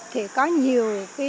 thì có nhiều